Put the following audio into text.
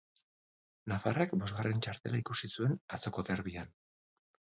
Nafarrak bosgarren txartela ikusi zuen atzoko derbian.